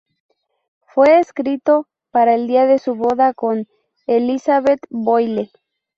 Fue escrito para el día de su boda con Elizabeth Boyle.